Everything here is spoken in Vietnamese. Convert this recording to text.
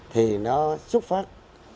thì nó xúc phát